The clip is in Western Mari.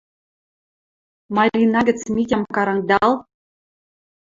Марина гӹц Митям карангдал